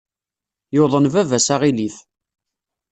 Yuḍen baba-s aɣilif.